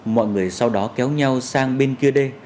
mọi người sau đó kéo nhau sang bên kia đê